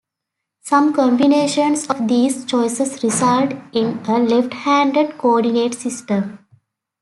Some combinations of these choices result in a left-handed coordinate system.